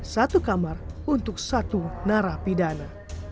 satu kamar untuk satu narapidana